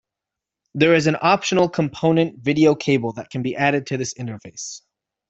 There is an optional component video cable that can be added to this interface.